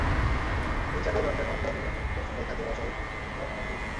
বিচারে দণ্ডের মাত্রা নিয়ে প্রশ্ন দেখা দেওয়া অস্বাভাবিক কিংবা অনাহূত কিছু নয়।